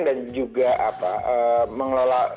dan juga mengelola